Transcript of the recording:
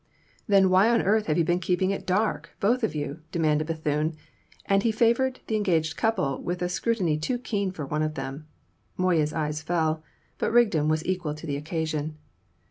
"Then why on earth have you been keeping it dark, both of you?" demanded Bethune, and he favoured the engaged couple with a scrutiny too keen for one of them. Moya's eyes fell. But Rigden was equal to the occasion.